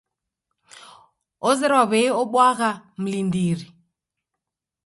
Ozerwa w'ei obwagha mlindiri.